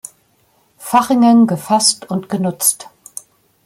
Fachingen gefasst und genutzt.